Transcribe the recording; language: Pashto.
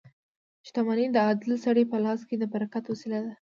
• شتمني د عادل سړي په لاس کې د برکت وسیله ده.